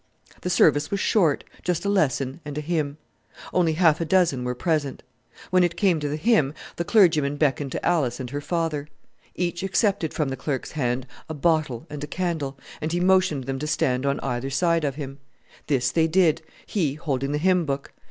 The service was short, just a lesson and a hymn. Only half a dozen were present. When it came to the hymn the clergyman beckoned to Alice and her father. Each accepted from the clerk's hand a bottle and a candle, and he motioned them to stand on either side of him. This they did, he holding the hymn book.